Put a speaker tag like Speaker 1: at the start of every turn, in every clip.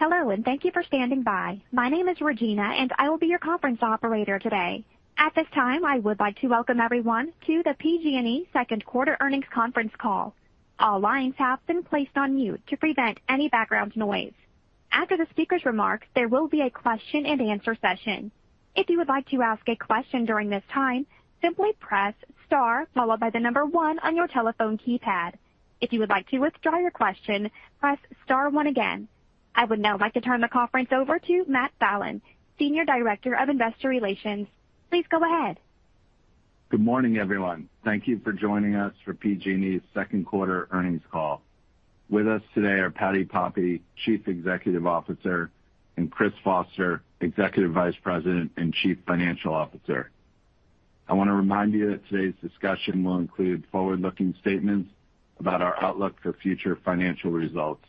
Speaker 1: Hello, and thank you for standing by. My name is Regina, and I will be your conference operator today. At this time, I would like to welcome everyone to the PG&E Second Quarter Earnings Conference Call. All lines have been placed on mute to prevent any background noise. After the speaker's remarks, there will be a question-and-answer session. If you would like to ask a question during this time, simply press star followed by the number one on your telephone keypad. If you would like to withdraw your question, press star one again. I would now like to turn the conference over to Matt Fallon, Senior Director of Investor Relations. Please go ahead.
Speaker 2: Good morning, everyone. Thank you for joining us for PG&E's second quarter earnings call. With us today are Patti Poppe, Chief Executive Officer, and Chris Foster, Executive Vice President and Chief Financial Officer. I wanna remind you that today's discussion will include forward-looking statements about our outlook for future financial results.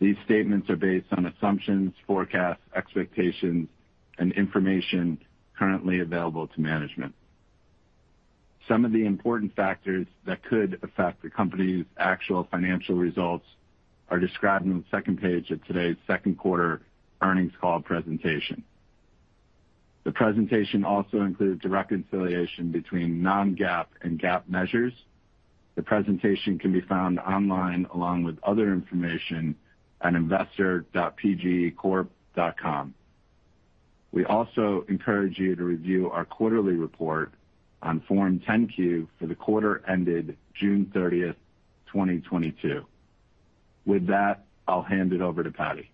Speaker 2: These statements are based on assumptions, forecasts, expectations, and information currently available to management. Some of the important factors that could affect the company's actual financial results are described on the second page of today's second quarter earnings call presentation. The presentation also includes a reconciliation between non-GAAP and GAAP measures. The presentation can be found online along with other information at investor.pgecorp.com. We also encourage you to review our quarterly report on Form 10-Q for the quarter ended June 30th, 2022. With that, I'll hand it over to Patti.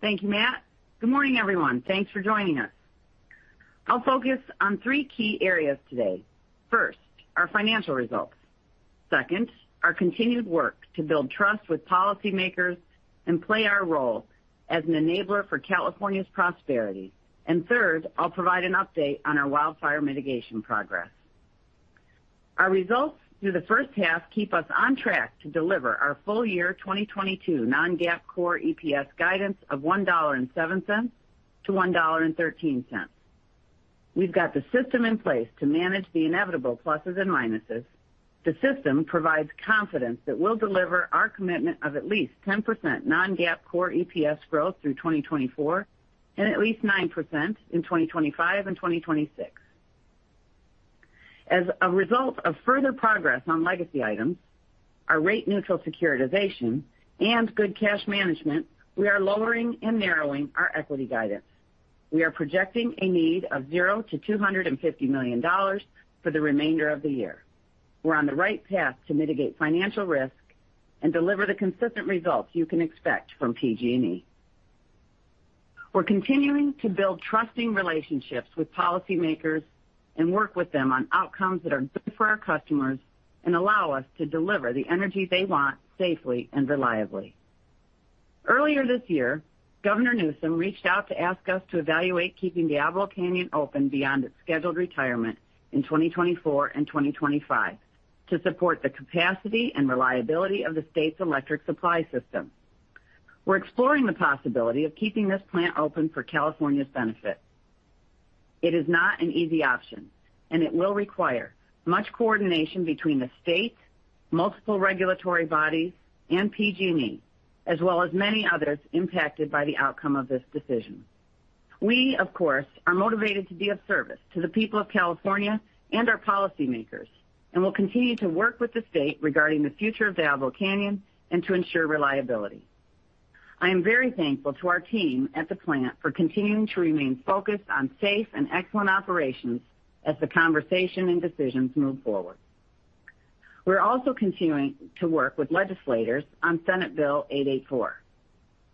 Speaker 3: Thank you, Matt. Good morning, everyone. Thanks for joining us. I'll focus on three key areas today. First, our financial results. Second, our continued work to build trust with policymakers and play our role as an enabler for California's prosperity. Third, I'll provide an update on our wildfire mitigation progress. Our results through the first half keep us on track to deliver our full-year 2022 non-GAAP core EPS guidance of $1.07 to $1.13. We've got the system in place to manage the inevitable pluses and minuses. The system provides confidence that we'll deliver our commitment of at least 10% non-GAAP core EPS growth through 2024 and at least 9% in 2025 and 2026. As a result of further progress on legacy items, our Rate Neutral Securitization, and Good Cash management, we are lowering and narrowing our equity guidance. We are projecting a need of $0 to $250 million for the remainder of the year. We're on the right path to mitigate financial risk and deliver the consistent results you can expect from PG&E. We're continuing to build trusting relationships with policymakers and work with them on outcomes that are good for our customers and allow us to deliver the energy they want safely and reliably. Earlier this year, Governor Newsom reached out to ask us to evaluate keeping Diablo Canyon open beyond its scheduled retirement in 2024 and 2025 to support the capacity and reliability of the state's electric supply system. We're exploring the possibility of keeping this plant open for California's benefit. It is not an easy option, and it will require much coordination between the state, multiple regulatory bodies, and PG&E, as well as many others impacted by the outcome of this decision. We, of course, are motivated to be of service to the people of California and our policymakers, and will continue to work with the state regarding the future of Diablo Canyon and to ensure reliability. I am very thankful to our team at the plant for continuing to remain focused on safe and excellent operations as the conversation and decisions move forward. We're also continuing to work with legislators on Senate Bill 884.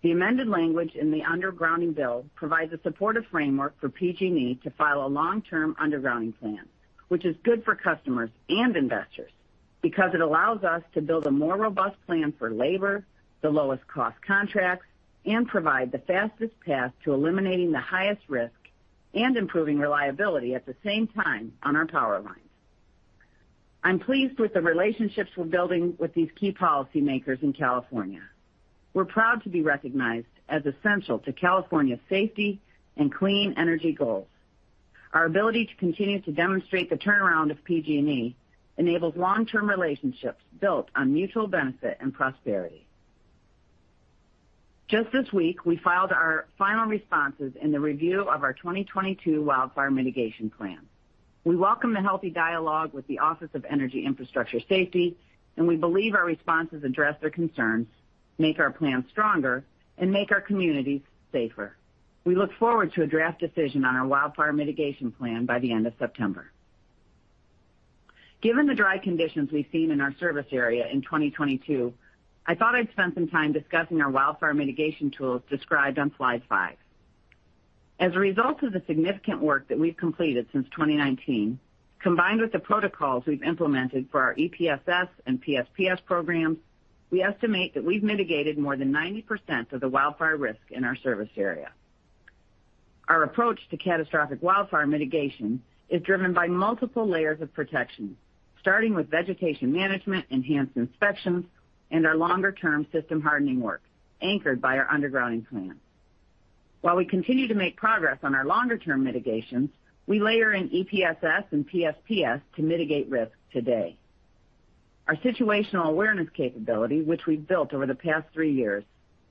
Speaker 3: The amended language in the undergrounding bill provides a supportive framework for PG&E to file a long-term undergrounding plan, which is good for customers and investors because it allows us to build a more robust plan for labor, the lowest cost contracts, and provide the fastest path to eliminating the highest risk and improving reliability at the same time on our power lines. I'm pleased with the relationships we're building with these key policymakers in California. We're proud to be recognized as essential to California's safety and clean energy goals. Our ability to continue to demonstrate the turnaround of PG&E enables long-term relationships built on mutual benefit and prosperity. Just this week, we filed our final responses in the review of our 2022 wildfire mitigation plan. We welcome the healthy dialogue with the Office of Energy Infrastructure Safety, and we believe our responses address their concerns, make our plan stronger, and make our communities safer. We look forward to a draft decision on our wildfire mitigation plan by the end of September. Given the dry conditions we've seen in our service area in 2022, I thought I'd spend some time discussing our wildfire mitigation tools described on Slide 5. As a result of the significant work that we've completed since 2019, combined with the protocols we've implemented for our EPSS and PSPS programs, we estimate that we've mitigated more than 90% of the wildfire risk in our service area. Our approach to catastrophic wildfire mitigation is driven by multiple layers of protection, starting with vegetation management, enhanced inspections, and our longer-term system hardening work anchored by our undergrounding plan. While we continue to make progress on our longer-term mitigations, we layer in EPSS and PSPS to mitigate risk today. Our situational awareness capability, which we've built over the past three years,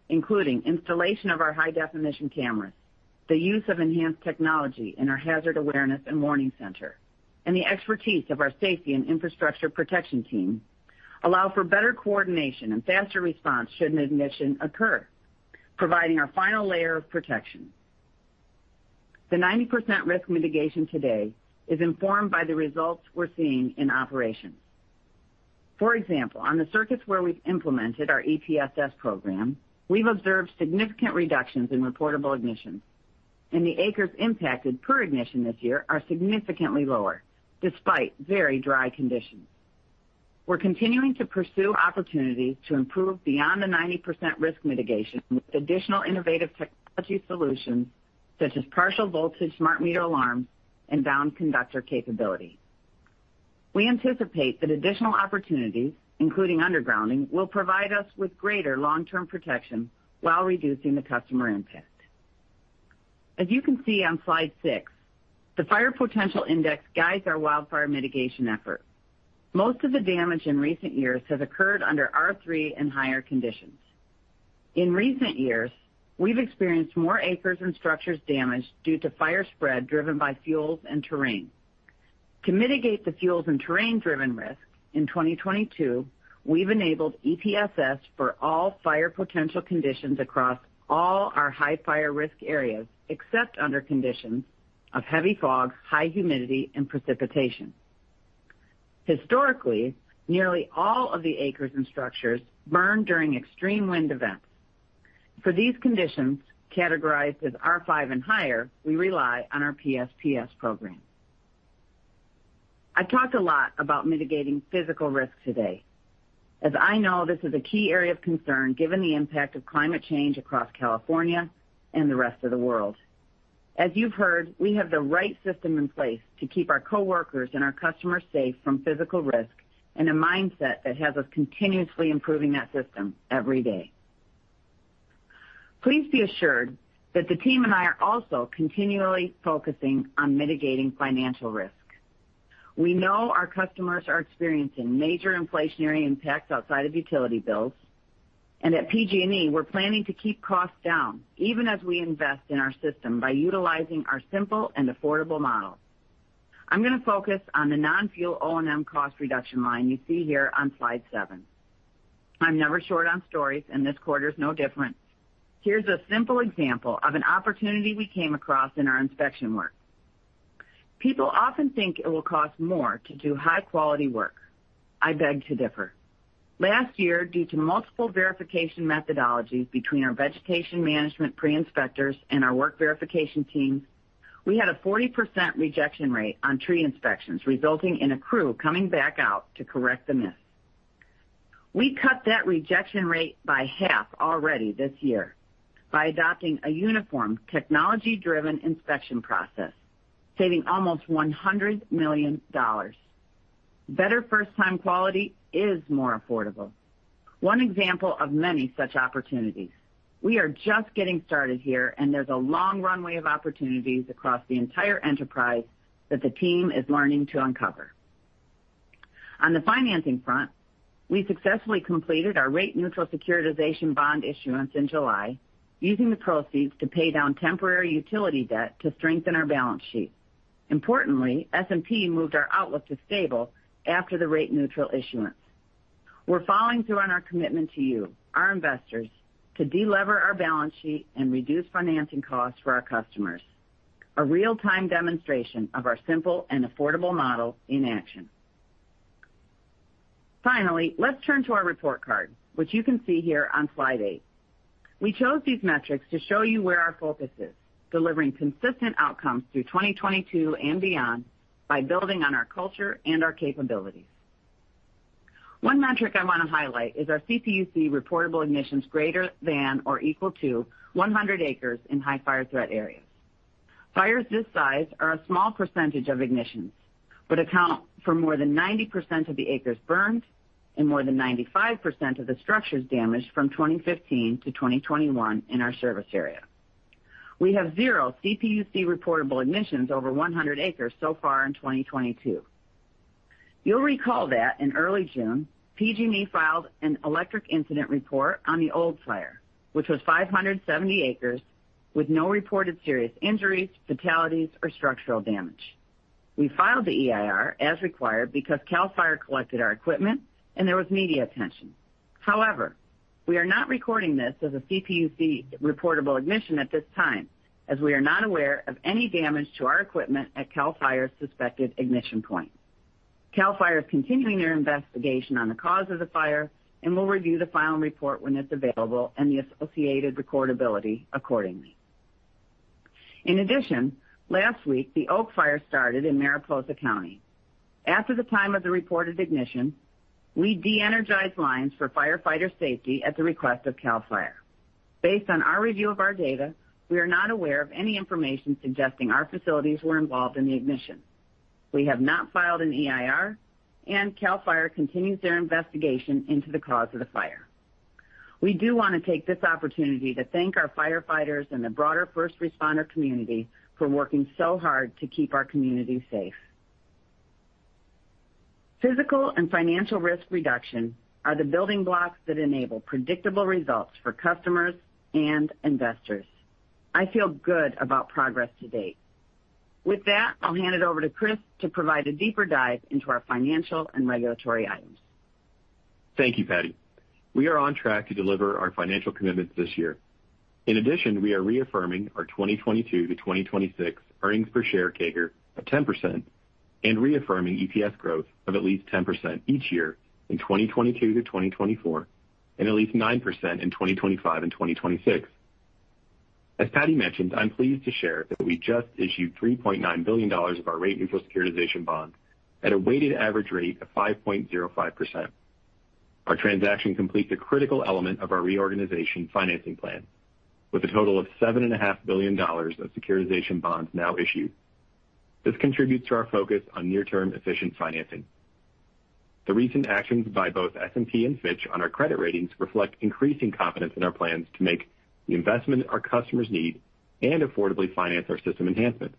Speaker 3: including installation of our high-definition cameras, the use of enhanced technology in our Hazard Awareness and Warning Center, and the expertise of our safety and infrastructure protection team, allow for better coordination and faster response should an ignition occur, providing our final layer of protection. The 90% risk mitigation today is informed by the results we're seeing in operations. For example, on the circuits where we've implemented our EPSS program, we've observed significant reductions in reportable ignitions, and the acres impacted per ignition this year are significantly lower despite very dry conditions. We're continuing to pursue opportunities to improve beyond the 90% risk mitigation with additional innovative technology solutions such as partial voltage smart meter alarms and bound conductor capability. We anticipate that additional opportunities, including undergrounding, will provide us with greater long-term protection while reducing the customer impact. As you can see on Slide 6, the Fire Potential Index guides our wildfire mitigation effort. Most of the damage in recent years has occurred under R3 and higher conditions. In recent years, we've experienced more acres and structures damaged due to fire spread driven by fuels and terrain. To mitigate the fuels and terrain-driven risk, in 2022, we've enabled EPSS for all fire potential conditions across all our high fire risk areas, except under conditions of heavy fog, high humidity, and precipitation. Historically, nearly all of the acres and structures burn during extreme wind events. For these conditions, categorized as R5 and higher, we rely on our PSPS program. I've talked a lot about mitigating physical risk today. As you know, this is a key area of concern given the impact of climate change across California and the rest of the world. As you've heard, we have the right system in place to keep our coworkers and our customers safe from physical risk and a mindset that has us continuously improving that system every day. Please be assured that the team and I are also continually focusing on mitigating financial risk. We know our customers are experiencing major inflationary impacts outside of utility bills, and at PG&E, we're planning to keep costs down, even as we invest in our system by utilizing our simple and affordable model. I'm gonna focus on the non-fuel O&M cost reduction line you see here on Slide 7. I'm never short on stories, and this quarter is no different. Here's a simple example of an opportunity we came across in our inspection work. People often think it will cost more to do high-quality work. I beg to differ. Last year, due to multiple verification methodologies between our vegetation management pre-inspectors and our work verification teams, we had a 40% rejection rate on tree inspections, resulting in a crew coming back out to correct the miss. We cut that rejection rate by half already this year by adopting a uniform technology-driven inspection process, saving almost $100 million. Better first-time quality is more affordable. One example of many such opportunities. We are just getting started here, and there's a long runway of opportunities across the entire enterprise that the team is learning to uncover. On the financing front, we successfully completed our Rate Neutral Securitization bond issuance in July, using the proceeds to pay down temporary utility debt to strengthen our balance sheet. Importantly, S&P moved our outlook to stable after the Rate Neutral Issuance. We're following through on our commitment to you, our investors, to delever our balance sheet and reduce financing costs for our customers, a real-time demonstration of our simple and affordable model in action. Finally, let's turn to our report card, which you can see here on Slide 8. We chose these metrics to show you where our focus is, delivering consistent outcomes through 2022 and beyond by building on our culture and our capabilities. One metric I want to highlight is our CPUC-reportable ignitions greater than or equal to 100 acres in high fire threat areas. Fires this size are a small percentage of ignitions, but account for more than 90% of the acres burned and more than 95% of the structures damaged from 2015 to 2021 in our service area. We have zero CPUC-reportable ignitions over 100 acres so far in 2022. You'll recall that in early June, PG&E filed an electric incident report on the Old Fire, which was 570 acres with no reported serious injuries, fatalities, or structural damage. We filed the EIR as required because CAL FIRE collected our equipment and there was media attention. However, we are not recording this as a CPUC-reportable ignition at this time, as we are not aware of any damage to our equipment at CAL FIRE's suspected ignition point. CAL FIRE is continuing their investigation on the cause of the fire and will review the final report when it's available and the associated recordability accordingly. In addition, last week, the Oak Fire started in Mariposa County. After the time of the reported ignition, we de-energized lines for firefighter safety at the request of CAL FIRE. Based on our review of our data, we are not aware of any information suggesting our facilities were involved in the ignition. We have not filed an EIR, and CAL FIRE continues their investigation into the cause of the fire. We do wanna take this opportunity to thank our firefighters and the broader first responder community for working so hard to keep our community safe. Physical and financial risk reduction are the building blocks that enable predictable results for customers and investors. I feel good about progress to date. With that, I'll hand it over to Chris to provide a deeper dive into our financial and regulatory items.
Speaker 4: Thank you, Patti. We are on track to deliver our financial commitments this year. In addition, we are reaffirming our 2022 to 2026 earnings per share CAGR of 10% and reaffirming EPS growth of at least 10% each year in 2022 to 2024, and at least 9% in 2025 and 2026. As Patti mentioned, I'm pleased to share that we just issued $3.9 billion of our Rate Neutral Securitization bonds at a weighted average rate of 5.05%. Our transaction completes a critical element of our reorganization financing plan with a total of $7.5 billion of securitization bonds now issued. This contributes to our focus on near-term efficient financing. The recent actions by both S&P and Fitch on our credit ratings reflect increasing confidence in our plans to make the investment our customers need and affordably finance our system enhancements.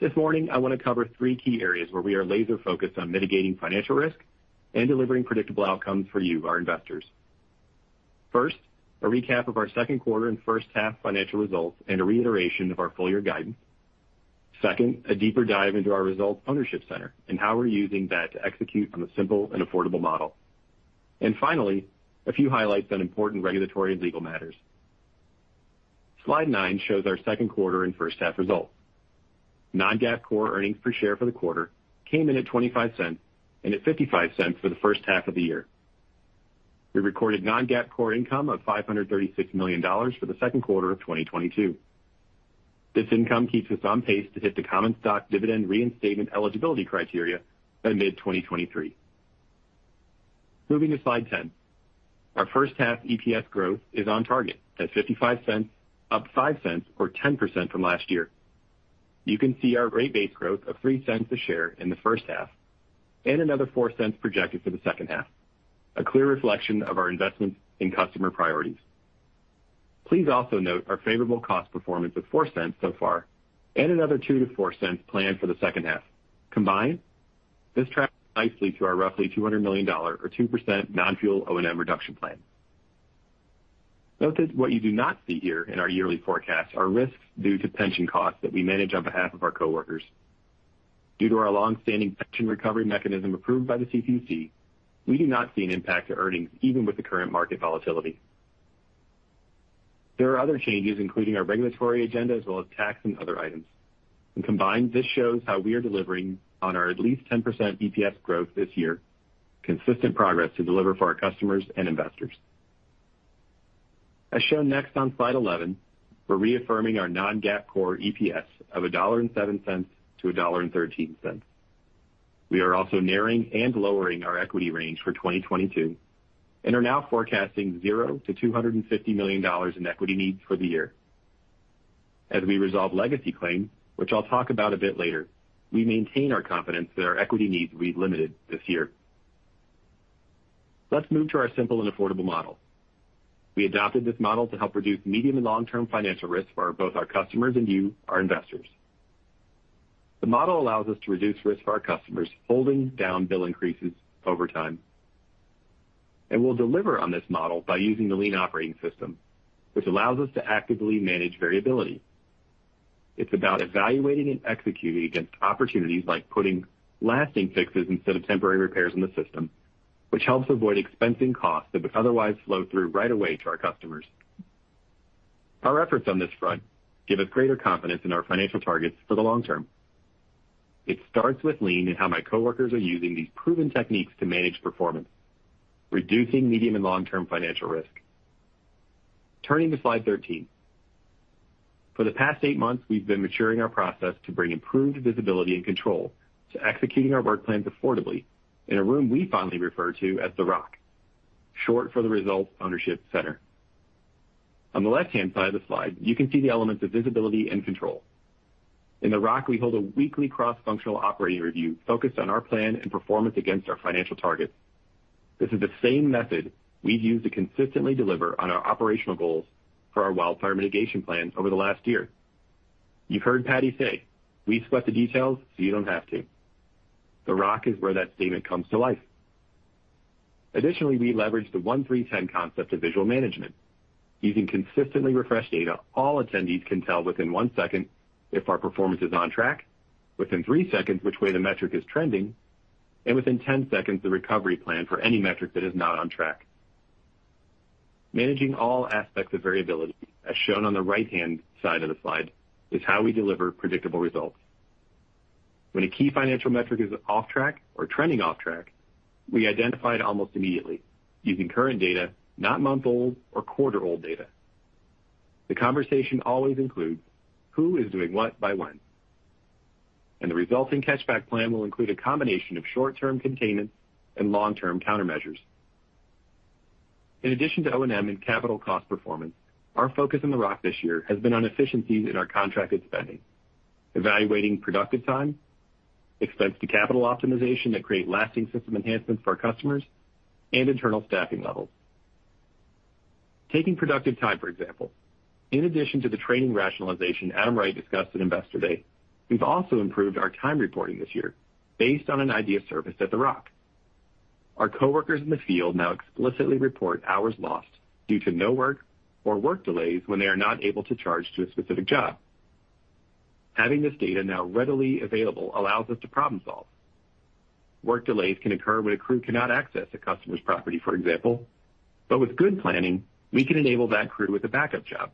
Speaker 4: This morning, I wanna cover three key areas where we are laser focused on mitigating financial risk and delivering predictable outcomes for you, our investors. First, a recap of our second quarter and first half financial results and a reiteration of our full-year guidance. Second, a deeper dive into our Results Ownership Center and how we're using that to execute on the simple and affordable model. Finally, a few highlights on important regulatory and legal matters. Slide 9 shows our second quarter and first half results. non-GAAP core earnings per share for the quarter came in at $0.25 and at $0.55 for the first half of the year. We recorded non-GAAP core income of $536 million for the second quarter of 2022. This income keeps us on pace to hit the common stock dividend reinstatement eligibility criteria by mid-2023. Moving to Slide 10. Our first half EPS growth is on target at $0.55, up $0.05 or 10% from last year. You can see our rate base growth of $0.03 a share in the first half and another $0.04 projected for the second half, a clear reflection of our investments in customer priorities. Please also note our favorable cost performance of $0.04 so far and another $0.02 to $0.04 planned for the second half. Combined, this tracks nicely to our roughly $200 million or 2% non-fuel O&M reduction plan. Note that what you do not see here in our yearly forecast are risks due to pension costs that we manage on behalf of our coworkers. Due to our long-standing pension recovery mechanism approved by the CPUC, we do not see an impact to earnings even with the current market volatility. There are other changes, including our regulatory agenda as well as tax and other items. Combined, this shows how we are delivering on our at least 10% EPS growth this year, consistent progress to deliver for our customers and investors. As shown next on Slide 11, we're reaffirming our non-GAAP core EPS of $1.07 to $1.13. We are also narrowing and lowering our equity range for 2022, and are now forecasting $0 to $250 million in equity needs for the year. As we resolve legacy claims, which I'll talk about a bit later, we maintain our confidence that our equity needs will be limited this year. Let's move to our simple and affordable model. We adopted this model to help reduce medium and long-term financial risk for both our customers and you, our investors. The model allows us to reduce risk for our customers, holding down bill increases over time. We'll deliver on this model by using the lean operating system, which allows us to actively manage variability. It's about evaluating and executing against opportunities like putting lasting fixes instead of temporary repairs in the system, which helps avoid expensing costs that would otherwise flow through right away to our customers. Our efforts on this front give us greater confidence in our financial targets for the long term. It starts with lean and how my coworkers are using these proven techniques to manage performance, reducing medium and long-term financial risk. Turning to Slide 13. For the past eight months, we've been maturing our process to bring improved visibility and control to executing our work plans affordably in a room we fondly refer to as the ROC, short for the Results Ownership Center. On the left-hand side of the slide, you can see the elements of visibility and control. In the ROC, we hold a weekly cross-functional operating review focused on our plan and performance against our financial targets. This is the same method we've used to consistently deliver on our operational goals for our wildfire mitigation plan over the last year. You've heard Patti say, "We sweat the details so you don't have to." The ROC is where that statement comes to life. Additionally, we leverage the 1-3-10 concept of Visual Management. Using consistently refreshed data, all attendees can tell within one second if our performance is on track, within three seconds which way the metric is trending, and within 10 seconds the recovery plan for any metric that is not on track. Managing all aspects of variability, as shown on the right-hand side of the slide, is how we deliver predictable results. When a key financial metric is off track or trending off track, we identify it almost immediately using current data, not month-old or quarter-old data. The conversation always includes who is doing what by when. The resulting catch-up plan will include a combination of short-term containment and long-term countermeasures. In addition to O&M and capital cost performance, our focus on the ROC this year has been on efficiencies in our contracted spending, evaluating productive time, expense to capital optimization that create lasting system enhancements for our customers, and internal staffing levels. Taking productive time, for example. In addition to the training rationalization Adam Wright discussed at Investor Day, we've also improved our time reporting this year based on an idea surfaced at the ROC. Our coworkers in the field now explicitly report hours lost due to no work or work delays when they are not able to charge to a specific job. Having this data now readily available allows us to problem solve. Work delays can occur when a crew cannot access a customer's property, for example, but with good planning, we can enable that crew with a backup job.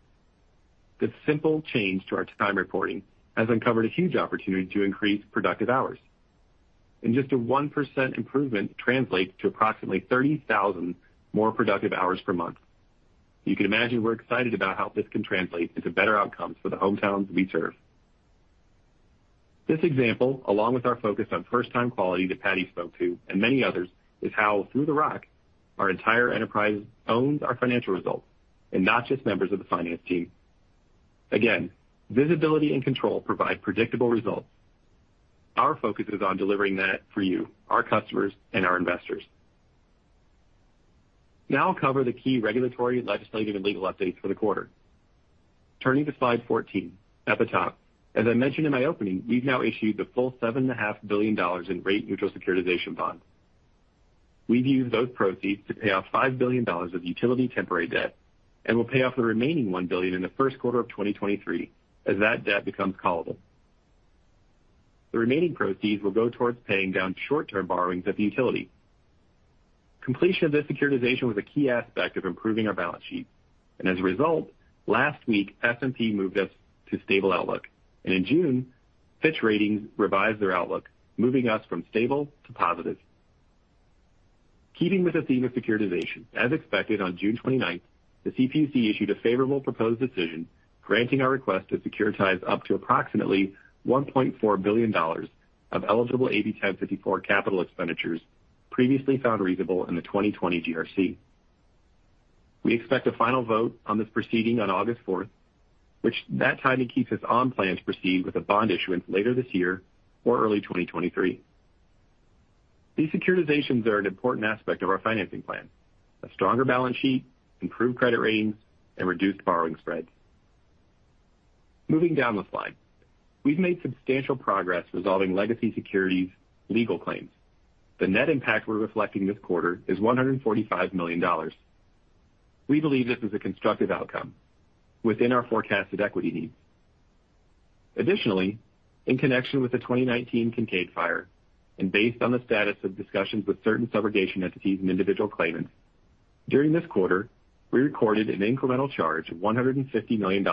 Speaker 4: This simple change to our time reporting has uncovered a huge opportunity to increase productive hours. Just a 1% improvement translates to approximately 30,000 more productive hours per month. You can imagine we're excited about how this can translate into better outcomes for the hometowns we serve. This example, along with our focus on first time quality that Patti spoke to and many others, is how, through the ROC, our entire enterprise owns our financial results and not just members of the finance team. Again, visibility and control provide predictable results. Our focus is on delivering that for you, our customers and our investors. Now I'll cover the key regulatory, legislative, and legal updates for the quarter. Turning to Slide 14. At the top, as I mentioned in my opening, we've now issued the full $7.5 billion in Rate Neutral Securitization bonds. We've used those proceeds to pay off $5 billion of utility temporary debt, and we'll pay off the remaining $1 billion in the first quarter of 2023 as that debt becomes callable. The remaining proceeds will go towards paying down short-term borrowings of the utility. Completion of this securitization was a key aspect of improving our balance sheet. As a result, last week, S&P moved us to stable outlook. In June, Fitch Ratings revised their outlook, moving us from stable to positive. Keeping with the theme of securitization, as expected on June 29th, the CPUC issued a favorable proposed decision granting our request to securitize up to approximately $1.4 billion of eligible AB 1054 capital expenditures previously found reasonable in the 2020 GRC. We expect a final vote on this proceeding on August 4, which timing keeps us on plan to proceed with a bond issuance later this year or early 2023. These securitizations are an important aspect of our financing plan. A stronger balance sheet, improved credit ratings, and reduced borrowing spreads. Moving down the slide. We've made substantial progress resolving legacy securities legal claims. The net impact we're reflecting this quarter is $145 million. We believe this is a constructive outcome within our forecasted equity needs. Additionally, in connection with the 2019 Kincade Fire, and based on the status of discussions with certain Subrogation entities and individual claimants, during this quarter, we recorded an incremental charge of $150 million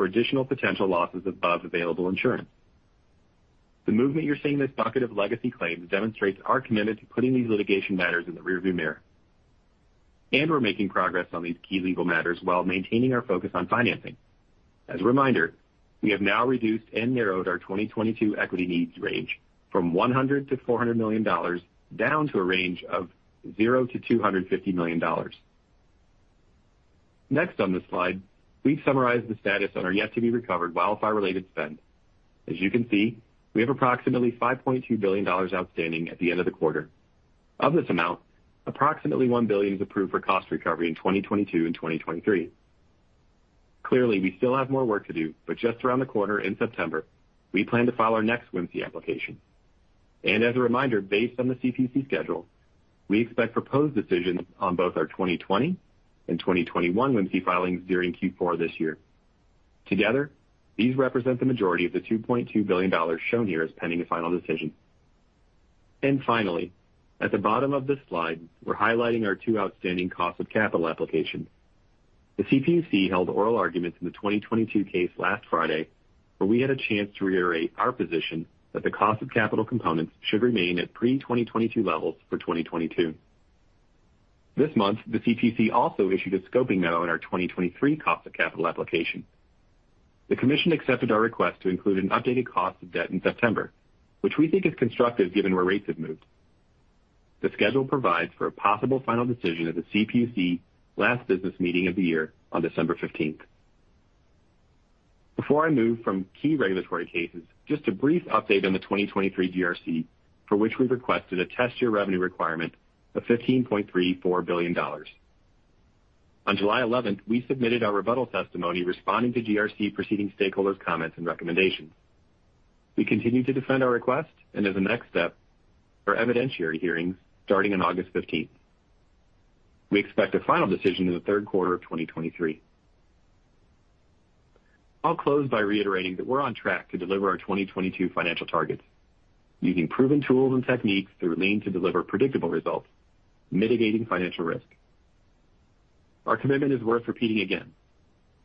Speaker 4: for additional potential losses above available insurance. The movement you're seeing in this bucket of legacy claims demonstrates our commitment to putting these litigation matters in the rearview mirror. We're making progress on these key legal matters while maintaining our focus on financing. As a reminder, we have now reduced and narrowed our 2022 equity needs range from $100 million to $400 million, down to a range of $0 to $250 million. Next on the slide, we've summarized the status on our yet to be recovered wildfire-related spend. As you can see, we have approximately $5.2 billion outstanding at the end of the quarter. Of this amount, approximately $1 billion is approved for cost recovery in 2022 and 2023. Clearly, we still have more work to do, but just around the corner in September, we plan to file our next WMCE application. As a reminder, based on the CPUC schedule, we expect proposed decisions on both our 2020 and 2021 WMCE filings during Q4 this year. Together, these represent the majority of the $2.2 billion shown here as pending a final decision. Finally, at the bottom of this slide, we're highlighting our two outstanding cost of capital applications. The CPUC held oral arguments in the 2022 case last Friday, where we had a chance to reiterate our position that the cost of capital components should remain at pre-2022 levels for 2022. This month, the CPUC also issued a scoping memo in our 2023 cost of capital application. The commission accepted our request to include an updated cost of debt in September, which we think is constructive given where rates have moved. The schedule provides for a possible final decision at the CPUC last business meeting of the year on December 15th. Before I move from key regulatory cases, just a brief update on the 2023 GRC, for which we requested a test year revenue requirement of $15.34 billion. On July 11th, we submitted our rebuttal testimony responding to GRC proceeding stakeholders' comments and recommendations. We continue to defend our request, and as a next step are evidentiary hearings starting on August 15th. We expect a final decision in the third quarter of 2023. I'll close by reiterating that we're on track to deliver our 2022 financial targets using proven tools and techniques through Lean to deliver predictable results, mitigating financial risk. Our commitment is worth repeating again.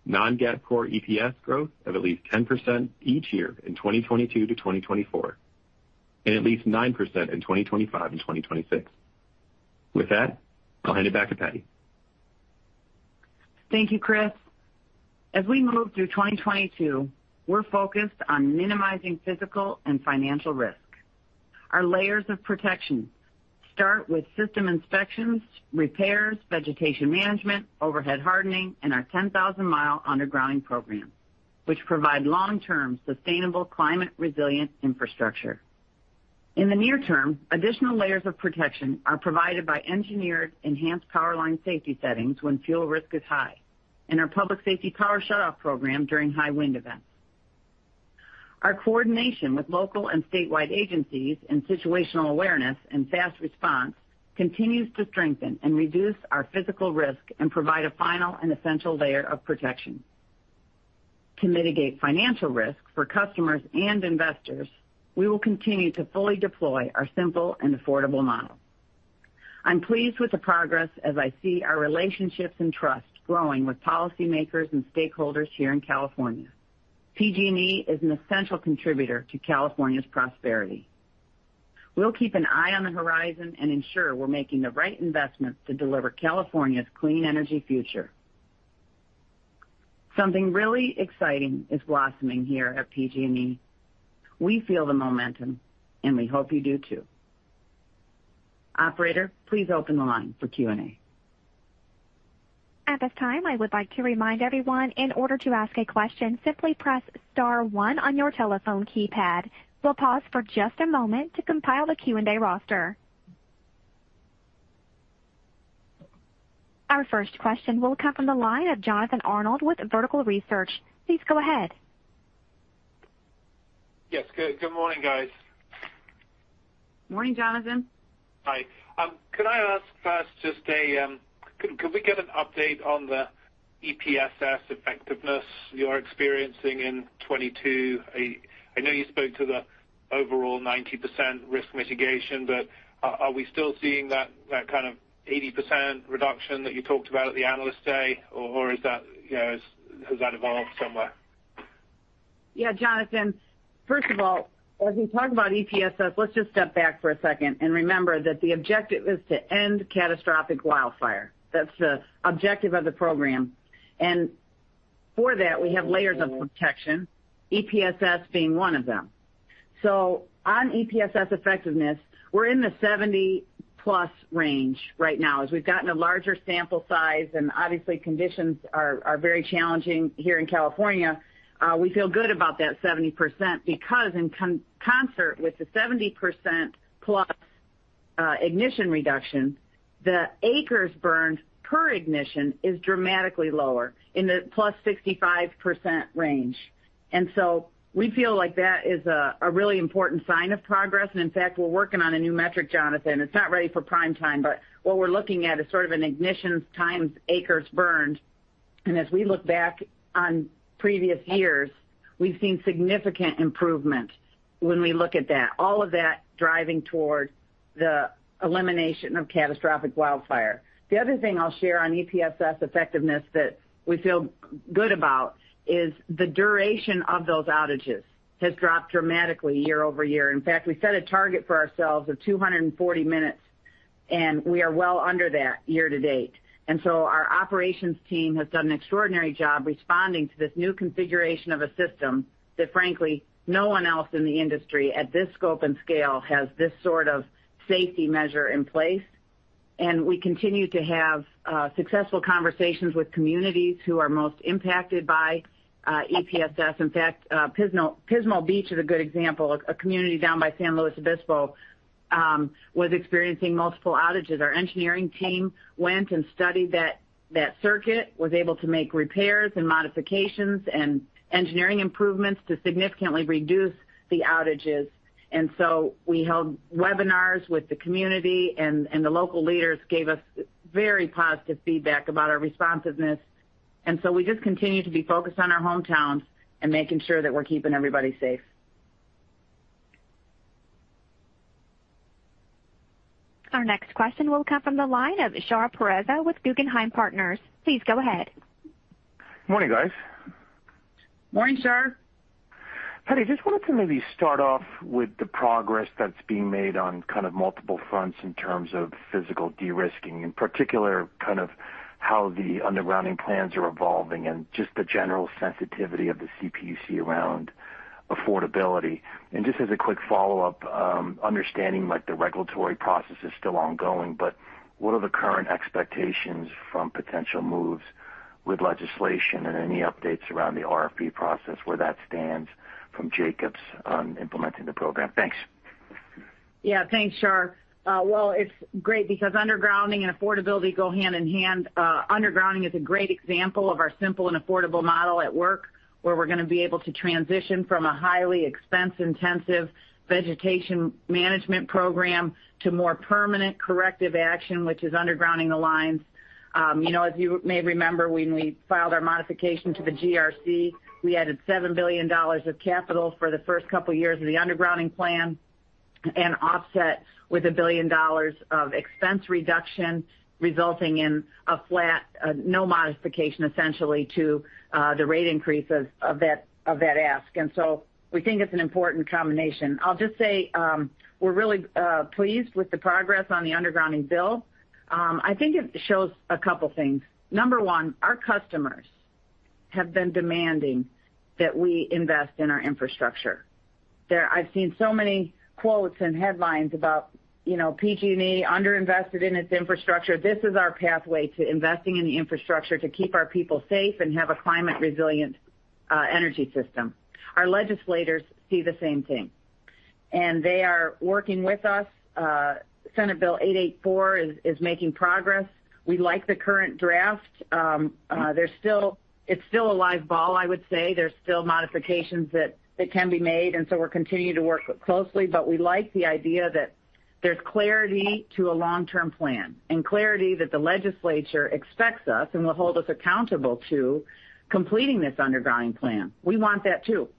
Speaker 4: Non-GAAP core EPS growth of at least 10% each year in 2022 to 2024, and at least 9% in 2025 and 2026. With that, I'll hand it back to Patti.
Speaker 3: Thank you, Chris. As we move through 2022, we're focused on minimizing physical and financial risk. Our layers of protection start with system inspections, repairs, vegetation management, overhead hardening, and our 10,000-mile undergrounding program, which provide long-term, sustainable climate resilient infrastructure. In the near term, additional layers of protection are provided by engineered enhanced power line safety settings when fuel risk is high and our public safety power shutoff program during high wind events. Our coordination with local and statewide agencies and situational awareness and fast response continues to strengthen and reduce our physical risk and provide a final and essential layer of protection. To mitigate financial risk for customers and investors, we will continue to fully deploy our simple and affordable model. I'm pleased with the progress as I see our relationships and trust growing with policymakers and stakeholders here in California. PG&E is an essential contributor to California's prosperity. We'll keep an eye on the horizon and ensure we're making the right investments to deliver California's clean energy future. Something really exciting is blossoming here at PG&E. We feel the momentum, and we hope you do too. Operator, please open the line for Q&A.
Speaker 1: At this time, I would like to remind everyone, in order to ask a question, simply press star one on your telephone keypad. We'll pause for just a moment to compile the Q&A roster. Our first question will come from the line of Jonathan Arnold with Vertical Research. Please go ahead.
Speaker 5: Yes. Good morning, guys.
Speaker 3: Morning, Jonathan.
Speaker 5: Hi. Can I ask first, could we get an update on the EPSS effectiveness you're experiencing in 2022? I know you spoke to the overall 90% risk mitigation, but are we still seeing that kind of 80% reduction that you talked about at the Analyst Day? Or is that, you know, has that evolved somewhere?
Speaker 3: Yeah, Jonathan, first of all, as we talk about EPSS, let's just step back for a second and remember that the objective is to end catastrophic wildfire. That's the objective of the program. For that, we have layers of protection, EPSS being one of them. On EPSS effectiveness, we're in the 70+ range right now as we've gotten a larger sample size, and obviously conditions are very challenging here in California. We feel good about that 70%, because in concert with the 70%+ ignition reduction, the acres burned per ignition is dramatically lower in the +65% range. We feel like that is a really important sign of progress. In fact, we're working on a new metric, Jonathan. It's not ready for prime time, but what we're looking at is sort of an ignition times acres burned. As we look back on previous years, we've seen significant improvement when we look at that, all of that driving toward the elimination of catastrophic wildfire. The other thing I'll share on EPSS effectiveness that we feel good about is the duration of those outages has dropped dramatically year-over-year. In fact, we set a target for ourselves of 240 minutes, and we are well under that year to date. Our operations team has done an extraordinary job responding to this new configuration of a system that, frankly, no one else in the industry at this scope and scale has this sort of safety measure in place. We continue to have successful conversations with communities who are most impacted by EPSS. In fact, Pismo Beach is a good example. A community down by San Luis Obispo was experiencing multiple outages. Our engineering team went and studied that circuit, was able to make repairs and modifications and engineering improvements to significantly reduce the outages. We held webinars with the community and the local leaders gave us very positive feedback about our responsiveness. We just continue to be focused on our hometowns and making sure that we're keeping everybody safe.
Speaker 1: Our next question will come from the line of Shar Pourreza with Guggenheim Partners. Please go ahead.
Speaker 6: Morning, guys.
Speaker 3: Morning, Shar.
Speaker 6: Hey, just wanted to maybe start off with the progress that's being made on kind of multiple fronts in terms of physical de-risking, in particular, kind of how the undergrounding plans are evolving and just the general sensitivity of the CPUC around affordability. Just as a quick follow-up, understanding like the regulatory process is still ongoing, but what are the current expectations from potential moves with legislation and any updates around the RFP process, where that stands from Jacobs on implementing the program? Thanks.
Speaker 3: Yeah, thanks, Shar. It's great because undergrounding and affordability go hand in hand. Undergrounding is a great example of our simple and affordable model at work, where we're gonna be able to transition from a highly expense-intensive vegetation management program to more permanent corrective action, which is undergrounding the lines. You know, as you may remember, when we filed our modification to the GRC, we added $7 billion of capital for the first couple of years of the undergrounding plan and offset with $1 billion of expense reduction, resulting in a flat no modification, essentially, to the rate increases of that ask. We think it's an important combination. I'll just say, we're really pleased with the progress on the undergrounding bill. I think it shows a couple things. Number one, our customers have been demanding that we invest in our infrastructure. I've seen so many quotes and headlines about, you know, PG&E under-invested in its infrastructure. This is our pathway to investing in the infrastructure to keep our people safe and have a climate resilient energy system. Our legislators see the same thing, and they are working with us. Senate Bill 884 is making progress. We like the current draft. There's still. It's still a live ball, I would say. There's still modifications that can be made, and so we're continuing to work closely with. We like the idea that there's clarity to a long-term plan and clarity that the legislature expects us and will hold us accountable to completing this underground plan. We want that, too.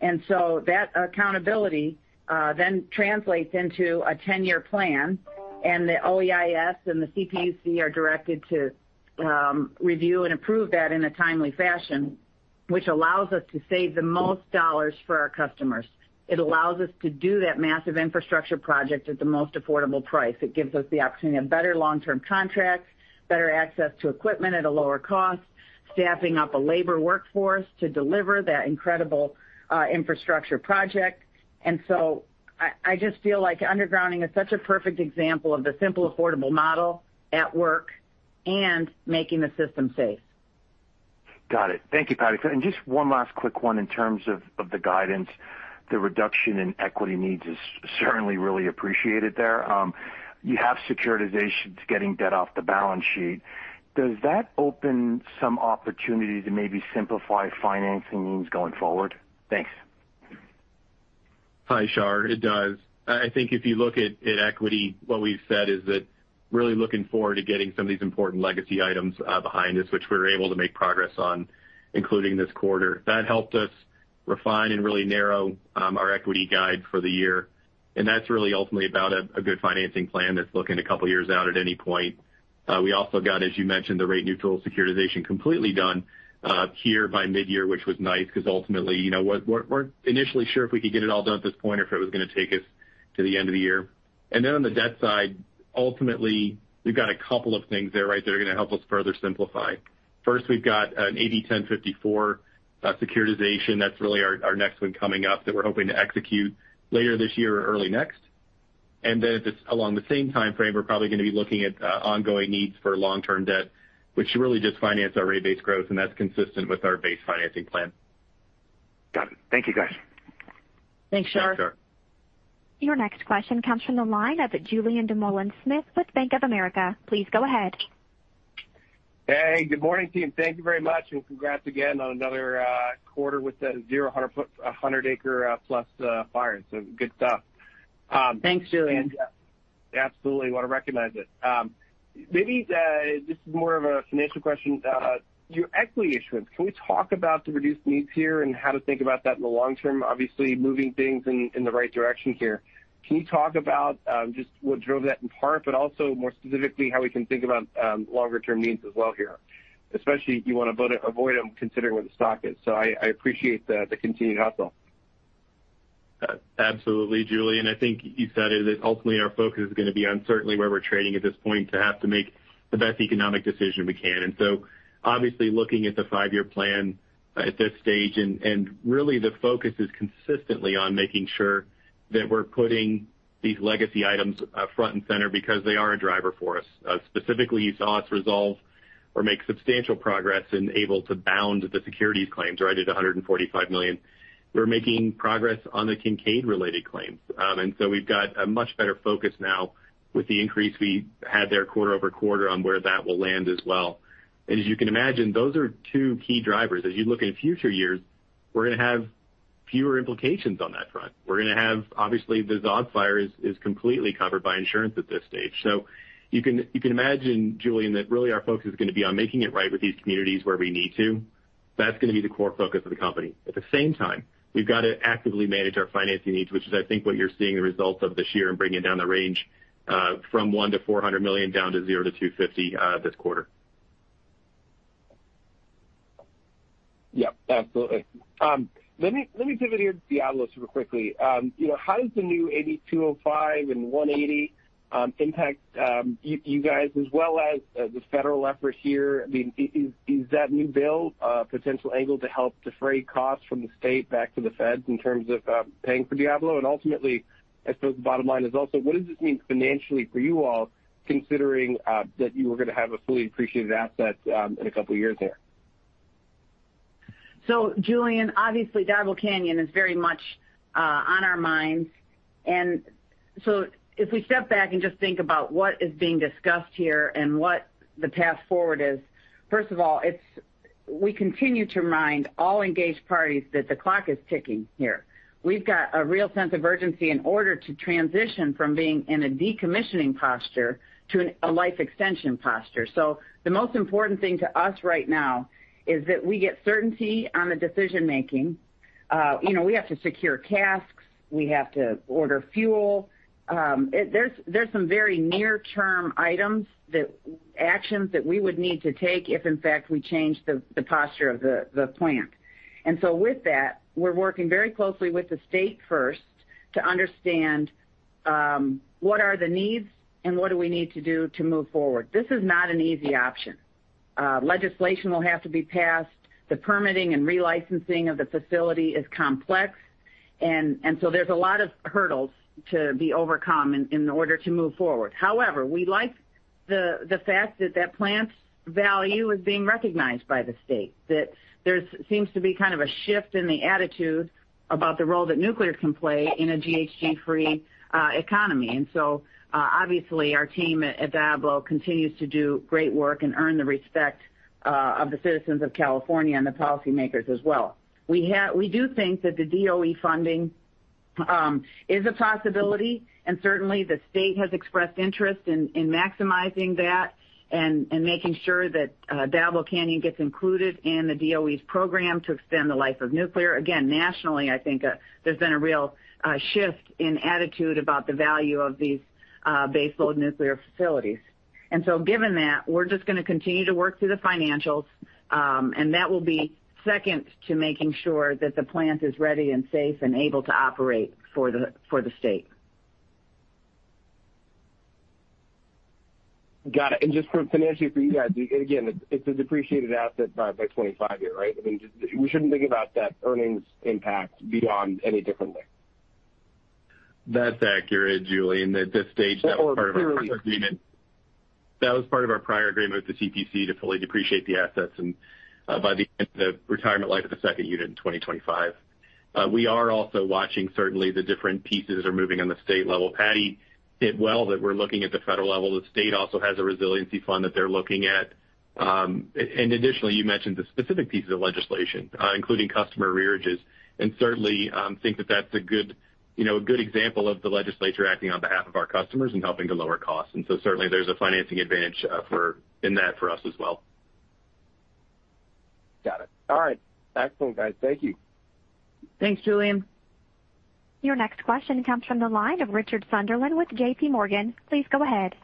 Speaker 3: That accountability then translates into a 10-year plan. The OEIS and the CPUC are directed to review and approve that in a timely fashion, which allows us to save the most dollars for our customers. It allows us to do that massive infrastructure project at the most affordable price. It gives us the opportunity of better long-term contracts, better access to equipment at a lower cost, staffing up a labor workforce to deliver that incredible infrastructure project. I just feel like undergrounding is such a perfect example of the simple, affordable model at work and making the system safe.
Speaker 6: Got it. Thank you, Patti. Just one last quick one in terms of the guidance. The reduction in equity needs is certainly really appreciated there, you have securitizations getting debt off the balance sheet. Does that open some opportunity to maybe simplify financing needs going forward? Thanks.
Speaker 4: Hi, Shar. It does. I think if you look at equity, what we've said is that we're really looking forward to getting some of these important legacy items behind us, which we were able to make progress on, including this quarter. That helped us refine and really narrow our equity guide for the year. That's really ultimately about a good financing plan that's looking a couple of years out at any point. We also got, as you mentioned, the Rate Neutral Securitization completely done here by mid-year, which was nice because ultimately, you know, we weren't initially sure if we could get it all done at this point or if it was going to take us to the end of the year. Then on the debt side, ultimately, we've got a couple of things there, right, that are going to help us further simplify. First, we've got an AB 1054 securitization that's really our next one coming up that we're hoping to execute later this year or early next. If it's along the same timeframe, we're probably going to be looking at ongoing needs for long-term debt, which really just finance our rate base growth, and that's consistent with our base financing plan.
Speaker 6: Got it. Thank you, guys.
Speaker 3: Thanks, Shar.
Speaker 4: Thanks, Shar.
Speaker 1: Your next question comes from the line of Julien Dumoulin-Smith with Bank of America. Please go ahead.
Speaker 7: Hey, good morning, team. Thank you very much and congrats again on another quarter with zero 100-acre-plus fire. Good stuff.
Speaker 3: Thanks, Julien.
Speaker 7: Yeah, absolutely want to recognize it. Maybe this is more of a financial question. Your equity issuance, can we talk about the reduced needs here and how to think about that in the long term? Obviously, moving things in the right direction here. Can you talk about just what drove that in part, but also more specifically, how we can think about longer-term needs as well here, especially you want to avoid them considering where the stock is. I appreciate the continued hustle.
Speaker 4: Absolutely, Julien. I think you said it, that ultimately our focus is going to be on certainly where we're trading at this point to have to make the best economic decision we can. Obviously looking at the five-year plan at this stage and really the focus is consistently on making sure that we're putting these legacy items front and center because they are a driver for us. Specifically, you saw us resolve or make substantial progress and able to bound the securities claims right at $145 million. We're making progress on the Kincade-related claims. We've got a much better focus now with the increase we had there quarter-over-quarter on where that will land as well. As you can imagine, those are two key drivers. As you look in future years, we're gonna have fewer implications on that front. We're gonna have obviously, the Zogg Fire is completely covered by insurance at this stage. You can imagine, Julien Dumoulin-Smith, that really our focus is gonna be on making it right with these communities where we need to. That's gonna be the core focus of the company. At the same time, we've got to actively manage our financing needs, which is I think what you're seeing the results of this year and bringing down the range from $100 million to $400 million down to $0 million to $250 million this quarter.
Speaker 7: Yeah, absolutely. Let me pivot here to Diablo super quickly. You know, how does the new AB 205 and 180 impact you guys as well as this federal effort here? I mean, is that new bill a potential angle to help defray costs from the state back to the feds in terms of paying for Diablo? Ultimately, I suppose the bottom line is also what does this mean financially for you all considering that you are gonna have a fully appreciated asset in a couple of years there?
Speaker 3: Julien, obviously, Diablo Canyon is very much on our minds. If we step back and just think about what is being discussed here and what the path forward is, first of all, it's we continue to remind all engaged parties that the clock is ticking here. We've got a real sense of urgency in order to transition from being in a decommissioning posture to a life extension posture. The most important thing to us right now is that we get certainty on the decision-making. You know, we have to secure casks, we have to order fuel. There's some very near-term actions that we would need to take if in fact we change the posture of the plant. With that, we're working very closely with the state first to understand what are the needs and what do we need to do to move forward? This is not an easy option. Legislation will have to be passed. The permitting and re-licensing of the facility is complex. So there's a lot of hurdles to be overcome in order to move forward. However, we like the fact that plant's value is being recognized by the state, that there seems to be kind of a shift in the attitude about the role that nuclear can play in a GHG-free economy. Obviously our team at Diablo continues to do great work and earn the respect of the citizens of California and the policymakers as well.
Speaker 8: We do think that the DOE funding is a possibility, and certainly the state has expressed interest in maximizing that and making sure that Diablo Canyon gets included in the DOE's program to extend the life of nuclear. Again, nationally, I think, there's been a real shift in attitude about the value of these baseload nuclear facilities. Given that, we're just gonna continue to work through the financials, and that will be second to making sure that the plant is ready and safe and able to operate for the state.
Speaker 7: Got it. Just from financially for you guys, again, it's a depreciated asset by 25-year, right? I mean, just we shouldn't think about that earnings impact beyond any differently.
Speaker 4: That's accurate, Julian. At this stage, that was part of our prior agreement with the CPUC to fully depreciate the assets and by the end of the retirement life of the Unit 2 in 2025. We are also watching certainly the different pieces are moving on the state level. Patti detailed that we're looking at the federal level. The state also has a resiliency fund that they're looking at. Additionally, you mentioned the specific pieces of legislation including customer arrearages, and certainly think that that's a good, you know, a good example of the legislature acting on behalf of our customers and helping to lower costs. Certainly there's a financing advantage for us in that as well.
Speaker 7: Got it. All right. Excellent, guys. Thank you.
Speaker 3: Thanks, Julien.
Speaker 1: Your next question comes from the line of Richard Sunderland with J.P. Morgan. Please go ahead.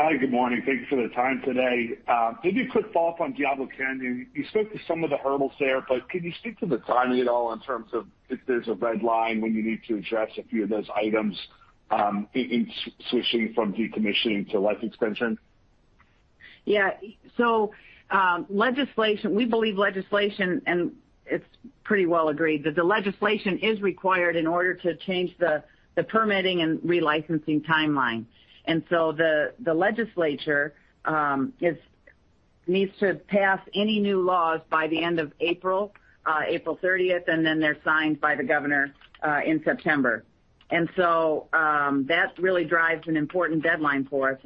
Speaker 9: Hi. Good morning. Thank you for the time today. Maybe a quick follow-up on Diablo Canyon. You spoke to some of the hurdles there, but can you speak to the timing at all in terms of if there's a red line when you need to address a few of those items, in switching from decommissioning to life extension?
Speaker 3: Yeah. Legislation, we believe, and it's pretty well agreed, that the legislation is required in order to change the permitting and relicensing timeline. The legislature needs to pass any new laws by the end of April 30th, and then they're signed by the governor in September. That really drives an important deadline for us.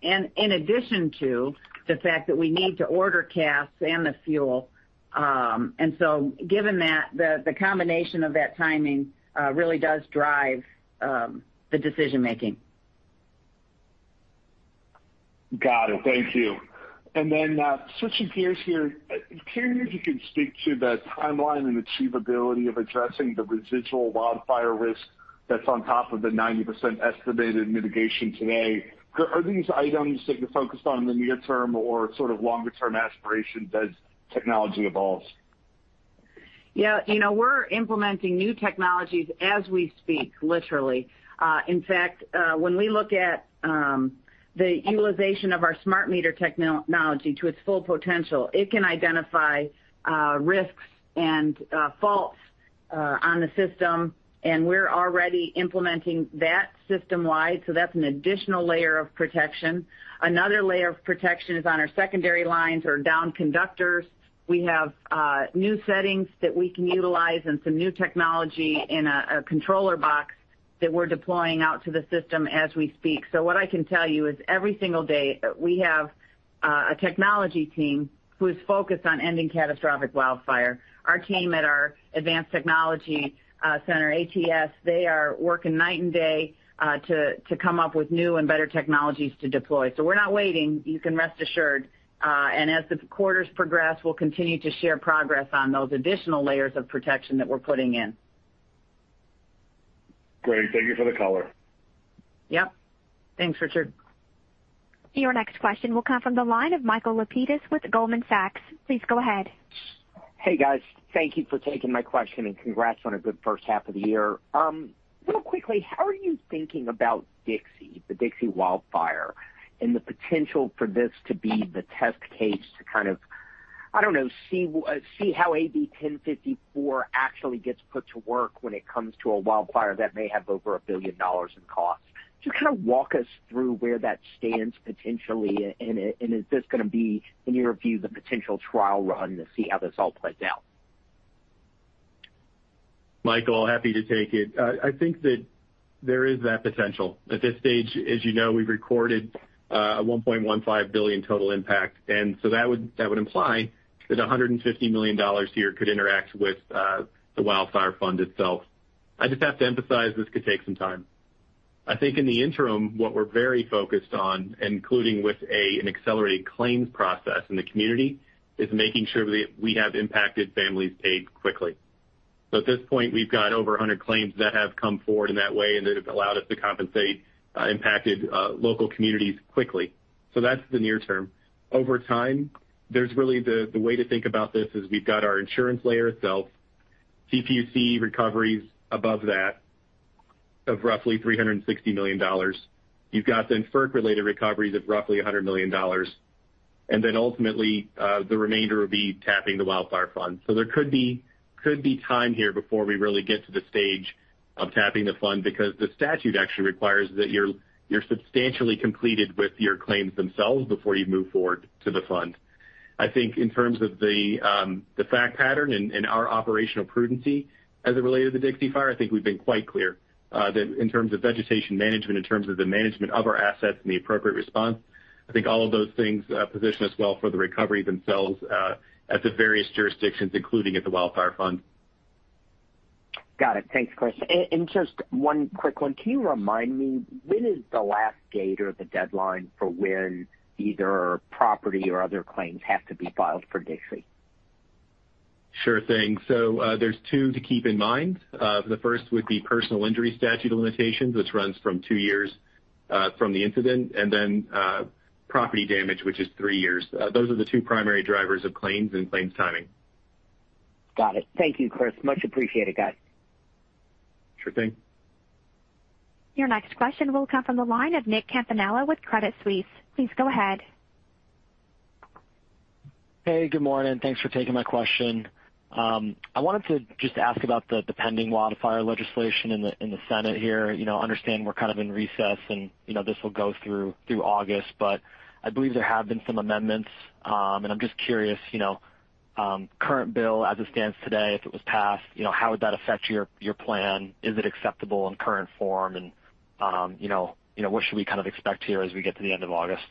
Speaker 3: In addition to the fact that we need to order casks and the fuel. Given that, the combination of that timing really does drive the decision-making.
Speaker 9: Got it. Thank you. Switching gears here, can you, if you can speak to the timeline and achievability of addressing the residual wildfire risk that's on top of the 90% estimated mitigation today? Are these items that you're focused on in the near term or sort of longer term aspirations as technology evolves?
Speaker 3: Yeah. You know, we're implementing new technologies as we speak, literally. In fact, when we look at the utilization of our smart meter technology to its full potential, it can identify risks and faults on the system, and we're already implementing that system-wide, so that's an additional layer of protection. Another layer of protection is on our secondary lines or downed conductors. We have new settings that we can utilize and some new technology in a controller box that we're deploying out to the system as we speak. What I can tell you is every single day, we have a technology team who is focused on ending catastrophic wildfire. Our team at our Advanced Technology Center, ATC, they are working night and day to come up with new and better technologies to deploy. We're not waiting, you can rest assured. As the quarters progress, we'll continue to share progress on those additional layers of protection that we're putting in.
Speaker 9: Great. Thank you for the color.
Speaker 3: Yep. Thanks, Richard.
Speaker 1: Your next question will come from the line of Michael Lapides with Goldman Sachs. Please go ahead.
Speaker 10: Hey, guys. Thank you for taking my question, and congrats on a good first half of the year. Real quickly, how are you thinking about Dixie, the Dixie Wildfire, and the potential for this to be the test case to kind of, I don't know, see how AB 1054 actually gets put to work when it comes to a wildfire that may have over $1 billion in costs? Just kinda walk us through where that stands potentially, and is this gonna be, in your view, the potential trial run to see how this all plays out?
Speaker 4: Michael, happy to take it. I think that there is that potential. At this stage, as you know, we've recorded a $1.15 billion total impact. That would imply that $150 million here could interact with the wildfire fund itself. I just have to emphasize this could take some time. I think in the interim, what we're very focused on, including with an accelerated claims process in the community, is making sure that we have impacted families paid quickly. At this point, we've got over 100 claims that have come forward in that way, and that have allowed us to compensate impacted local communities quickly. That's the near term. Over time, there's really the way to think about this is we've got our insurance layer itself, CPUC recoveries above that of roughly $360 million. You've got the FERC-related recoveries of roughly $100 million. Then ultimately, the remainder would be tapping the wildfire fund. There could be time here before we really get to the stage of tapping the fund, because the statute actually requires that you're substantially completed with your claims themselves before you move forward to the fund. I think in terms of the fact pattern and our operational prudence as it related to the Dixie Fire, I think we've been quite clear that in terms of vegetation management, in terms of the management of our assets and the appropriate response, I think all of those things position us well for the recoveries themselves at the various jurisdictions, including at the Wildfire Fund.
Speaker 10: Got it. Thanks, Chris. Just one quick one. Can you remind me when is the last date or the deadline for when either property or other claims have to be filed for Dixie?
Speaker 4: Sure thing. There's two to keep in mind. The first would be personal injury statute of limitations, which runs from two years from the incident, and then property damage, which is three years. Those are the two primary drivers of claims and claims timing.
Speaker 10: Got it. Thank you, Chris. Much appreciated, guys.
Speaker 4: Sure thing.
Speaker 1: Your next question will come from the line of Nicholas Campanella with Credit Suisse. Please go ahead.
Speaker 11: Hey, good morning. Thanks for taking my question. I wanted to just ask about the pending wildfire legislation in the Senate here. You know, understand we're kind of in recess and, you know, this will go through August. I believe there have been some amendments. I'm just curious, you know, current bill as it stands today, if it was passed, you know, how would that affect your plan? Is it acceptable in current form? You know, what should we kind of expect here as we get to the end of August?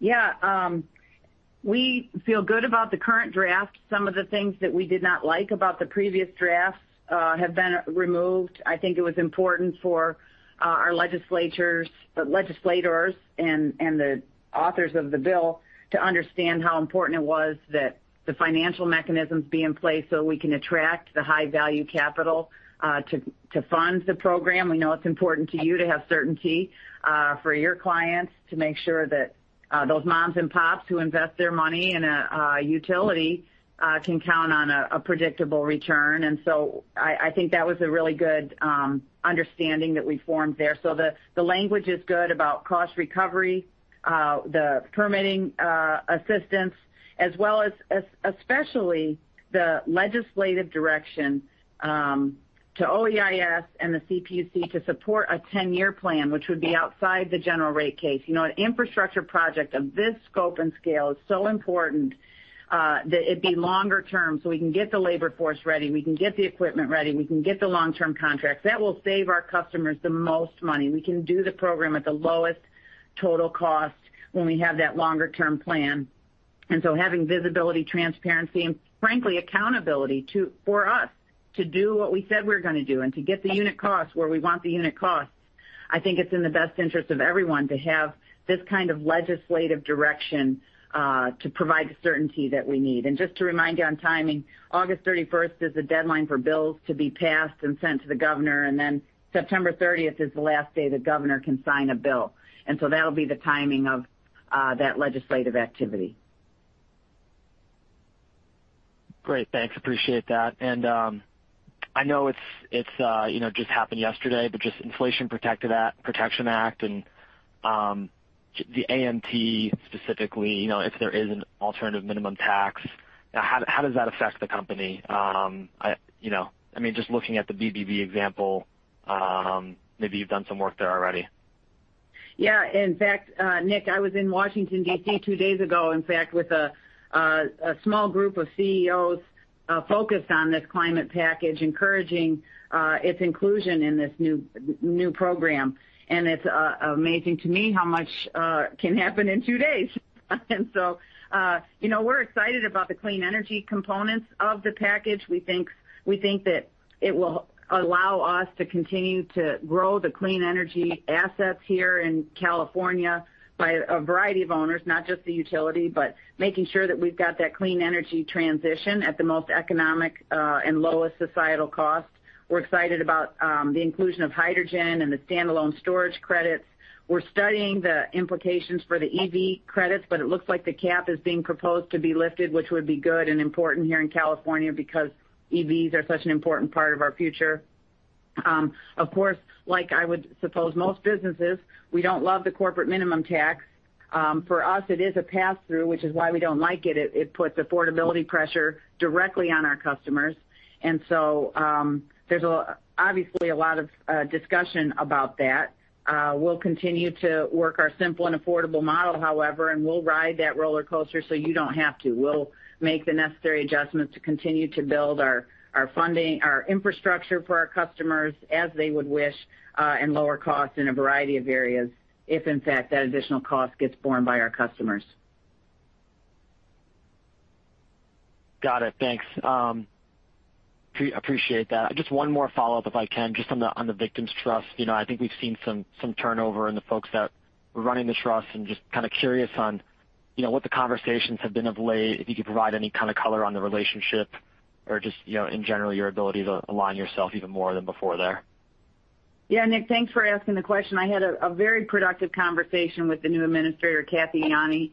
Speaker 3: Yeah. We feel good about the current draft. Some of the things that we did not like about the previous draft have been removed. I think it was important for our legislators and the authors of the bill to understand how important it was that the financial mechanisms be in place so we can attract the high-value capital to fund the program. We know it's important to you to have certainty for your clients, to make sure that those moms and pops who invest their money in a utility can count on a predictable return. I think that was a really good understanding that we formed there. The language is good about cost recovery, the permitting assistance, as well as especially the legislative direction to OEIS and the CPUC to support a 10-year plan, which would be outside the General Rate Case. You know, an infrastructure project of this scope and scale is so important that it be longer term, so we can get the labor force ready, we can get the equipment ready, we can get the long-term contracts. That will save our customers the most money. We can do the program at the lowest total cost when we have that longer term plan. Having visibility, transparency, and frankly, accountability to, for us to do what we said we're gonna do and to get the unit costs where we want the unit costs, I think it's in the best interest of everyone to have this kind of legislative direction to provide the certainty that we need. Just to remind you on timing, August 31st is the deadline for bills to be passed and sent to the governor, and then September 30th is the last day the governor can sign a bill. That'll be the timing of that legislative activity.
Speaker 11: Great, thanks. Appreciate that. I know it's you know, just happened yesterday, but just Inflation Reduction Act and the AMT specifically, you know, if there is an alternative minimum tax, how does that affect the company? I, you know, I mean, just looking at the BBB example, maybe you've done some work there already.
Speaker 3: Yeah. In fact, Nick, I was in Washington, D.C. two days ago, in fact, with a small group of CEOs focused on this climate package, encouraging its inclusion in this new program. It's amazing to me how much can happen in two days. You know, we're excited about the clean energy components of the package. We think that it will allow us to continue to grow the clean energy assets here in California by a variety of owners, not just the utility, but making sure that we've got that clean energy transition at the most economic and lowest societal cost. We're excited about the inclusion of hydrogen and the standalone storage credits. We're studying the implications for the EV credits, but it looks like the cap is being proposed to be lifted, which would be good and important here in California because EVs are such an important part of our future. Of course, like I would suppose most businesses, we don't love the corporate minimum tax. For us, it is a pass-through, which is why we don't like it. It puts affordability pressure directly on our customers. There's obviously a lot of discussion about that. We'll continue to work our simple and affordable model, however, and we'll ride that roller coaster so you don't have to. We'll make the necessary adjustments to continue to build our funding, our infrastructure for our customers as they would wish, and lower costs in a variety of areas if in fact that additional cost gets borne by our customers.
Speaker 11: Got it. Thanks. Appreciate that. Just one more follow-up if I can, just on the victims' trust. You know, I think we've seen some turnover in the folks that were running the trust and just kinda curious on, you know, what the conversations have been of late. If you could provide any kind of color on the relationship or just, you know, in general, your ability to align yourself even more than before there?
Speaker 3: Yeah. Nick, thanks for asking the question. I had a very productive conversation with the new administrator, Cathy Yanni.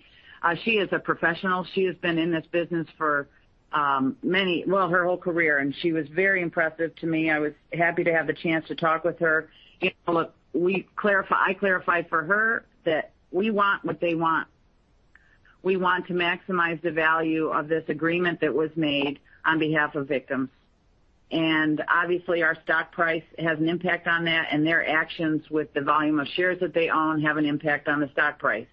Speaker 3: She is a professional. She has been in this business for well, her whole career, and she was very impressive to me. I was happy to have the chance to talk with her. You know, look, I clarified for her that we want what they want. We want to maximize the value of this agreement that was made on behalf of victims. Obviously, our stock price has an impact on that, and their actions with the volume of shares that they own have an impact on the stock price.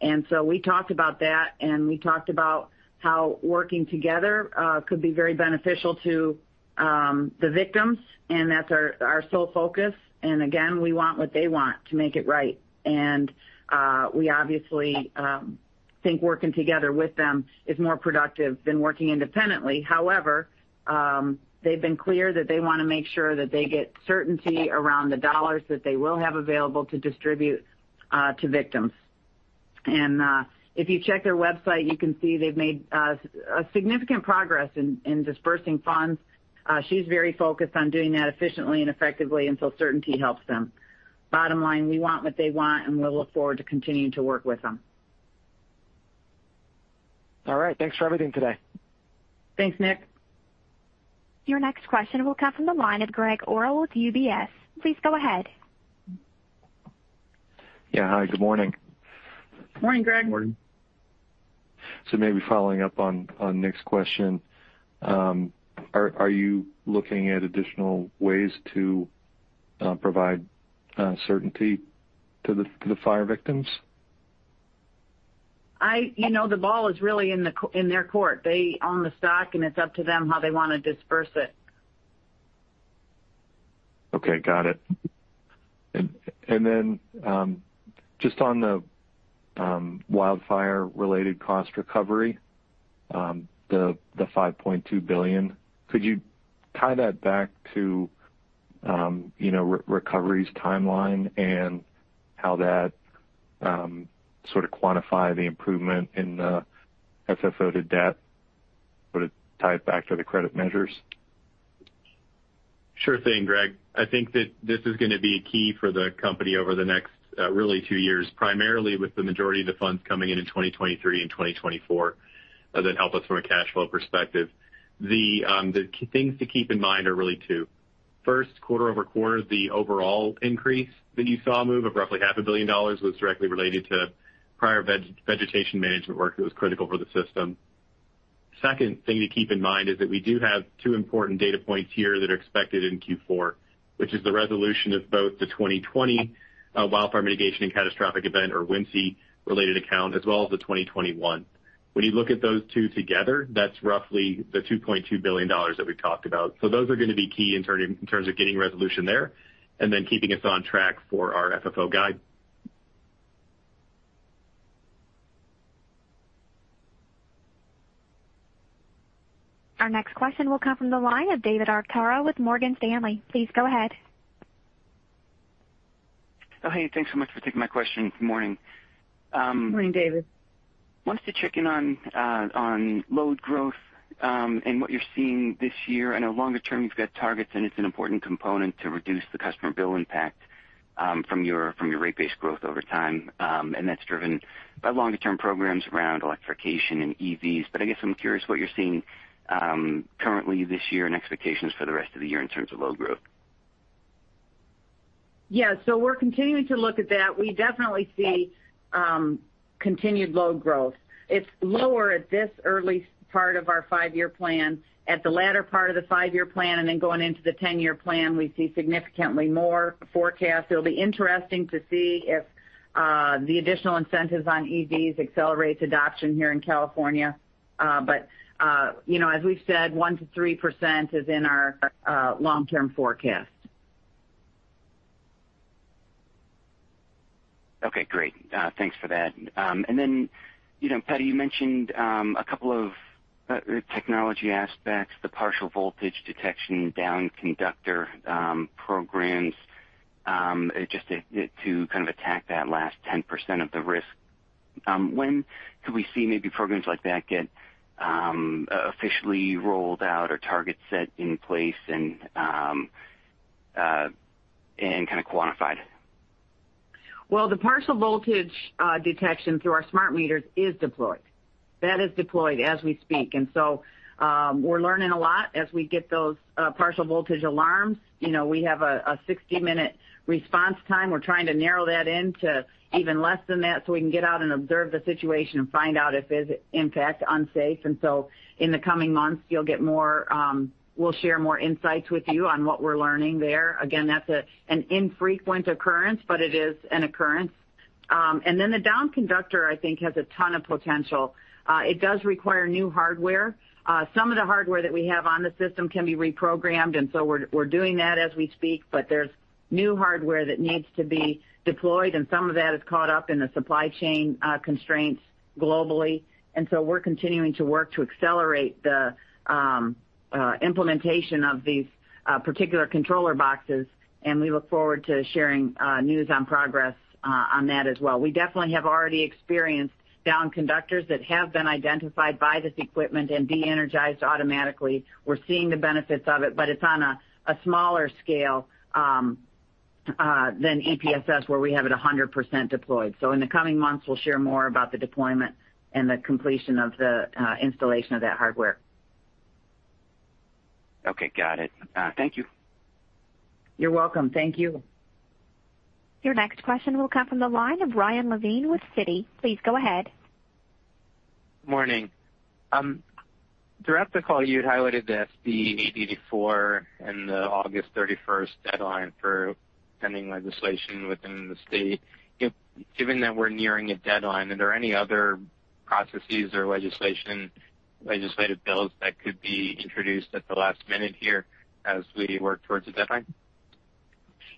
Speaker 3: We talked about that, and we talked about how working together could be very beneficial to the victims, and that's our sole focus. Again, we want what they want, to make it right. We obviously think working together with them is more productive than working independently. However, they've been clear that they wanna make sure that they get certainty around the dollars that they will have available to distribute to victims. If you check their website, you can see they've made a significant progress in disbursing funds. She's very focused on doing that efficiently and effectively until certainty helps them. Bottom line, we want what they want, and we look forward to continuing to work with them.
Speaker 11: All right. Thanks for everything today.
Speaker 3: Thanks, Nick.
Speaker 1: Your next question will come from the line of Gregg Orrill with UBS. Please go ahead.
Speaker 12: Yeah. Hi, good morning.
Speaker 3: Morning, Gregg.
Speaker 4: Morning.
Speaker 12: Maybe following up on Nick's question, are you looking at additional ways to provide certainty to the fire victims?
Speaker 3: You know, the ball is really in their court. They own the stock, and it's up to them how they wanna disperse it.
Speaker 12: Okay. Got it. Then, just on the wildfire-related cost recovery, the $5.2 billion, could you tie that back to, you know, recovery's timeline and how that sort of quantify the improvement in FFO-to-debt? Would it tie it back to the credit measures?
Speaker 4: Sure thing, Greg. I think that this is gonna be key for the company over the next really two years, primarily with the majority of the funds coming in in 2023 and 2024, that help us from a cash flow perspective. The key things to keep in mind are really two. First, quarter over quarter, the overall increase that you saw a move of roughly half a billion dollars was directly related to prior vegetation management work that was critical for the system. Second thing to keep in mind is that we do have two important data points here that are expected in Q4, which is the resolution of both the 2020 wildfire mitigation and catastrophic event or WMCE-related account, as well as the 2021. When you look at those two together, that's roughly the $2.2 billion that we've talked about. Those are gonna be key in terms of getting resolution there and then keeping us on track for our FFO guide.
Speaker 1: Our next question will come from the line of David Arcaro with Morgan Stanley. Please go ahead.
Speaker 13: Oh, hey, thanks so much for taking my question. Good morning.
Speaker 3: Morning, David.
Speaker 13: Wanted to check in on load growth, and what you're seeing this year. I know longer term you've got targets, and it's an important component to reduce the customer bill impact from your rate base growth over time. That's driven by longer-term programs around electrification and EVs. I guess I'm curious what you're seeing currently this year and expectations for the rest of the year in terms of load growth.
Speaker 3: Yeah. We're continuing to look at that. We definitely see continued load growth. It's lower at this early part of our five-year plan. At the latter part of the five-year plan and then going into the ten-year plan, we see significantly more forecast. It'll be interesting to see if the additional incentives on EVs accelerates adoption here in California. You know, as we've said, 1%-3% is in our long-term forecast.
Speaker 13: Okay. Great. Thanks for that. You know, Patti, you mentioned a couple of technology aspects, the Partial Voltage Detection downed conductor programs, just to kind of attack that last 10% of the risk. When could we see maybe programs like that get officially rolled out or targets set in place and kind of quantified?
Speaker 3: Well, the Partial Voltage Detection through our smart meters is deployed. That is deployed as we speak. We're learning a lot as we get those partial voltage alarms. You know, we have a 60-minute response time. We're trying to narrow that into even less than that so we can get out and observe the situation and find out if it is in fact unsafe. In the coming months, you'll get more. We'll share more insights with you on what we're learning there. Again, that's an infrequent occurrence, but it is an occurrence. The downed conductor, I think, has a ton of potential. It does require new hardware. Some of the hardware that we have on the system can be reprogrammed, and so we're doing that as we speak. There's new hardware that needs to be deployed, and some of that is caught up in the supply chain constraints globally. We're continuing to work to accelerate the implementation of these particular controller boxes, and we look forward to sharing news on progress on that as well. We definitely have already experienced downed conductors that have been identified by this equipment and de-energized automatically. We're seeing the benefits of it, but it's on a smaller scale than EPSS where we have it 100% deployed. In the coming months, we'll share more about the deployment and the completion of the installation of that hardware.
Speaker 13: Okay, got it. Thank you.
Speaker 3: You're welcome. Thank you.
Speaker 1: Your next question will come from the line of Ryan Levine with Citi. Please go ahead.
Speaker 14: Morning. Throughout the call, you highlighted the SB 884 and the August 31st deadline for pending legislation within the state. Given that we're nearing a deadline, are there any other processes or legislation, legislative bills that could be introduced at the last minute here as we work towards the deadline?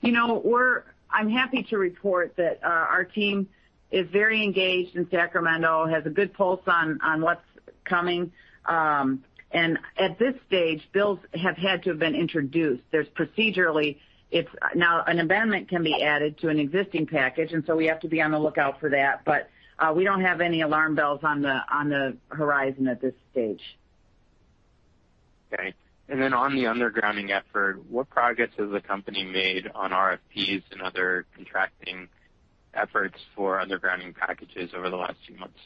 Speaker 3: You know, I'm happy to report that our team is very engaged in Sacramento, has a good pulse on what's coming. At this stage, bills have had to have been introduced. There is procedurally, it's now an amendment can be added to an existing package, and so we have to be on the lookout for that. We don't have any alarm bells on the horizon at this stage.
Speaker 14: Okay. On the undergrounding effort, what progress has the company made on RFPs and other contracting efforts for undergrounding packages over the last few months?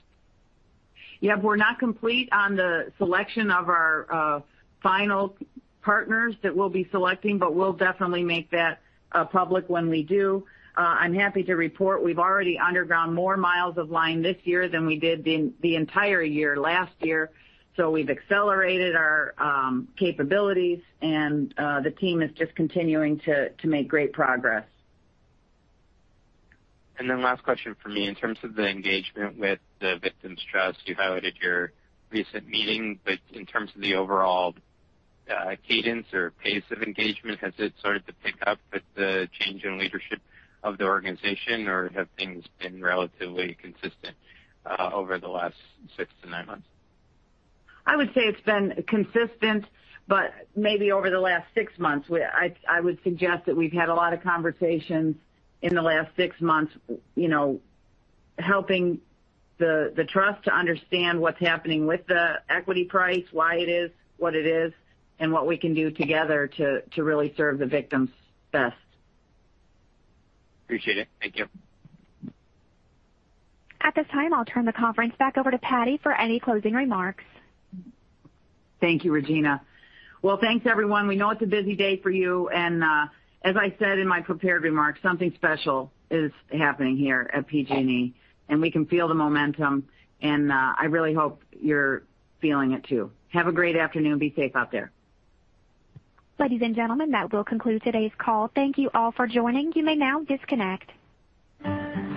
Speaker 3: Yeah, we're not complete on the selection of our final partners that we'll be selecting, but we'll definitely make that public when we do. I'm happy to report we've already underground more miles of line this year than we did the entire year last year. We've accelerated our capabilities and the team is just continuing to make great progress.
Speaker 14: Last question from me. In terms of the engagement with the Fire Victim Trust, you highlighted your recent meeting, but in terms of the overall, cadence or pace of engagement, has it started to pick up with the change in leadership of the organization? Or have things been relatively consistent, over the last six to nine months?
Speaker 3: I would say it's been consistent, but maybe over the last six months, I would suggest that we've had a lot of conversations in the last six months, you know, helping the trust to understand what's happening with the equity price, why it is what it is, and what we can do together to really serve the victims best.
Speaker 14: Appreciate it. Thank you.
Speaker 1: At this time, I'll turn the conference back over to Patti for any closing remarks.
Speaker 3: Thank you, Regina. Well, thanks, everyone. We know it's a busy day for you, and, as I said in my prepared remarks, something special is happening here at PG&E, and we can feel the momentum, and, I really hope you're feeling it too. Have a great afternoon. Be safe out there.
Speaker 1: Ladies and gentlemen, that will conclude today's call. Thank you all for joining. You may now disconnect.